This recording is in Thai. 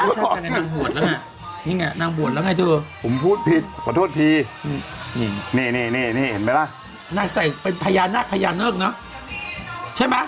จิ้มจิ้มก็แบบนั้นเนี่ย